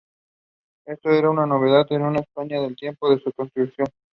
All tracks produced by Mura Masa.